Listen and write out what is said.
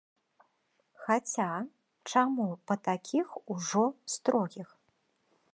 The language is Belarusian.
Хаця, чаму па такіх ужо строгіх?